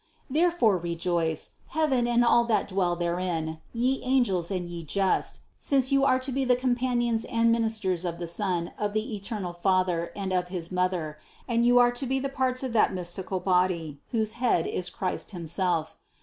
Therefore rejoice, heaven and all that dwell therein, ye angels and ye just, since you are to be the companions and ministers of the Son of the eternal Father and of his Mother, and you are to be parts of that mystical body, whose head is Christ himself.